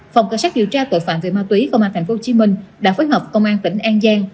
phòng cảnh sát điều tra tội phạm về ma túy công an tp hcm đã phối hợp công an tỉnh an giang